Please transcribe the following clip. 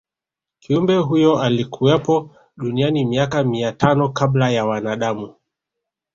kiumbe huyo alikuwepo duniani miaka mia tano kabla ya wanadamu